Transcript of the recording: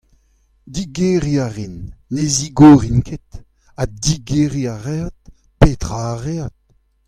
Digeriñ a rin, ne zigorin ket, ha digeriñ a reot, petra a reot.